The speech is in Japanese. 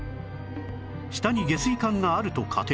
下に下水管があると仮定